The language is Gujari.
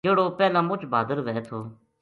جہڑو پہلاں مُچ بہادر وھے تھو